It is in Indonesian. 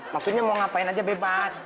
maksudnya mau ngapain aja bebas